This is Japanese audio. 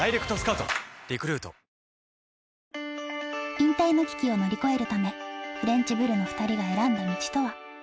引退の危機を乗り越えるためフレンチぶるの２人が選んだ道とは？